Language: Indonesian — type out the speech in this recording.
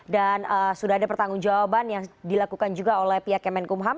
dan sudah ada pertanggung jawaban yang dilakukan juga oleh pihak kemenkumham